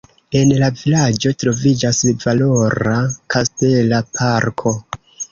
En la vilaĝo troviĝas valora kastela parko.